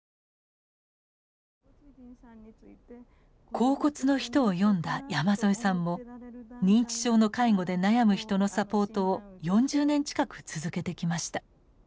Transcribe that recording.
「恍惚の人」を読んだ山添さんも認知症の介護で悩む人のサポートを４０年近く続けてきました。